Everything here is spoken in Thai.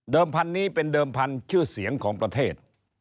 พันธุ์นี้เป็นเดิมพันธุ์ชื่อเสียงของประเทศ